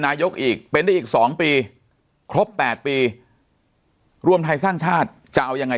อีกเป็นได้อีก๒ปีครบ๘ปีรวมไทยสร้างชาติจะเอายังไง